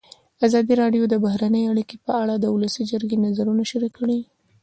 ازادي راډیو د بهرنۍ اړیکې په اړه د ولسي جرګې نظرونه شریک کړي.